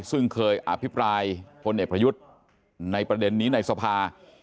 ซึ่งเคยอภิปรายพลเอกประยุทธ์ในประเด็นนี้ในสภา